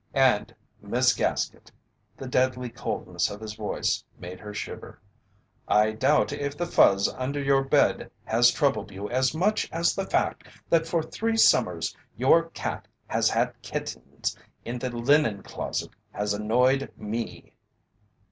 "And, Miss Gaskett," the deadly coldness of his voice made her shiver, "I doubt if the fuzz under your bed has troubled you as much as the fact that for three summers your cat has had kittens in the linen closet has annoyed me."